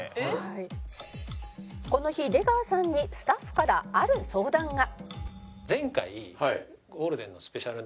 「この日出川さんにスタッフからある相談が」